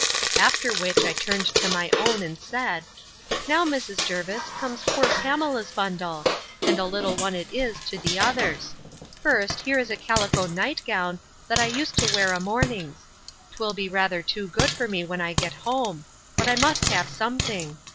After which, I turned to my own, and said, Now, Mrs. Jervis, comes poor Pamela's bundle; and a little one it is to the others. First, here is a calico nightgown, that I used to wear o' mornings. 'Twill be rather too good for me when I get home; but I must have something.